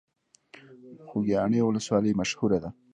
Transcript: خوږیاڼیو ولسوالۍ مشهوره ده؟